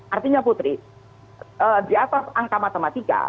artinya putri di atas angka matematika